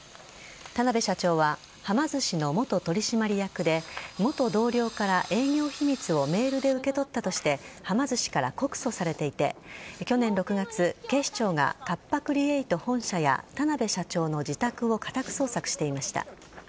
田辺社長ははま寿司の元取締役で元同僚から営業秘密をメールで受け取ったとしてはま寿司から告訴されていて去年６月、警視庁がカッパ・クリエイト本社や田辺社長の自宅を家宅捜索していました。